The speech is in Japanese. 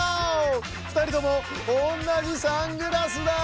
ふたりともおんなじサングラスだ！